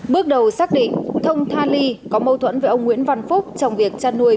bước đầu xác định thông tha ly có mâu thuẫn với ông nguyễn văn phúc trong việc chăn nuôi